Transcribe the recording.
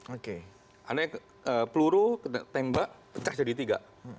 ada yang peluru ketembak pecah jadi tiga